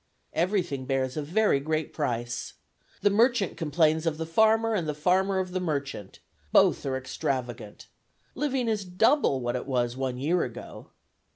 ... "Everything bears a very great price. The merchant complains of the farmer and the farmer of the merchant, both are extravagant. Living is double what it was one year ago.